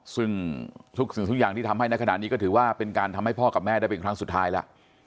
ซึ่งทุกสิ่งทุกอย่างที่ทำให้ในขณะนี้ก็ถือว่าเป็นการทำให้พ่อกับแม่ได้เป็นครั้งสุดท้ายแล้ว